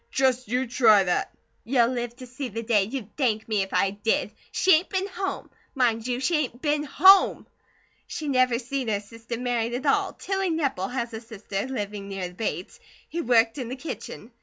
"Just you try that!" "You'll live to see the day you'd thank me if I did. She ain't been home. Mind you, she ain't been HOME! She never seen her sister married at all! Tilly Nepple has a sister, living near the Bates, who worked in the kitchen.